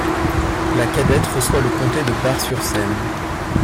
La cadette reçoit le comté de Bar-sur-Seine.